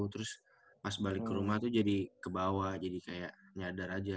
terus pas balik ke rumah tuh jadi kebawa jadi kayak nyadar aja